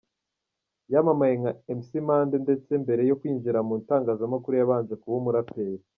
Yamamaye nka Mc Monday ndetse mbere yo kwinjira mu itangazamakuru yabanje kuba umuraperi.